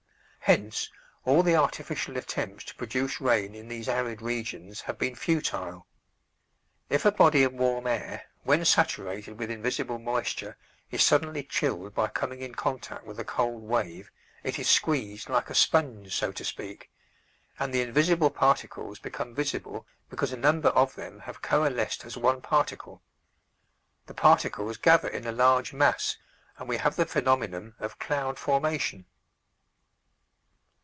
Hence, all the artificial attempts to produce rain in these arid regions have been futile. If a body of warm air, when saturated with invisible moisture, is suddenly chilled by coming in contact with a cold wave, it is squeezed like a sponge, so to speak, and the invisible particles become visible because a number of them have coalesced as one particle; the particles gather in a large mass, and we have the phenomenon of cloud formation.